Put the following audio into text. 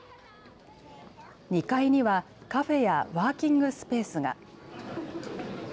２階にはカフェやワーキングスペースが。